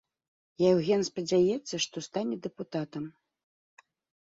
Яўген спадзяецца, што стане дэпутатам.